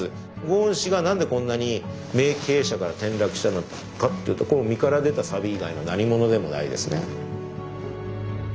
ゴーン氏が何でこんなに名経営者から転落したのかっていうと身から出たさび以外のなにものでもないですね。